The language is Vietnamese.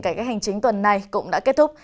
cải cách hành chính tuần này cũng đã kết thúc